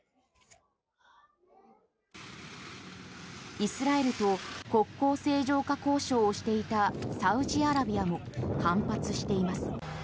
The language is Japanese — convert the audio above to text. イスラエルと国交正常化交渉をしていたサウジアラビアも反発しています。